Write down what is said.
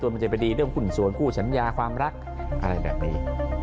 มันจะไปดีเรื่องหุ้นส่วนคู่สัญญาความรักอะไรแบบนี้